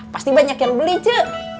pasti banyak yang beli cek